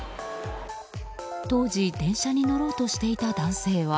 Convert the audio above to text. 当時、電車に乗ろうとしていた男性は。